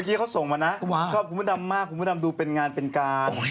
เค้าส่งมานะชอบครูพดำมากครูพดำดูเป็นงานเป็นการ